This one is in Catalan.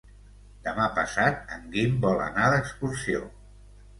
Demà passat en Guim vol anar d'excursió.